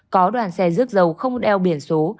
có đoàn xe rước dầu không đeo biển số